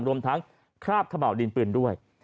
รวมทั้งคราบขม่าวดินปืนด้วย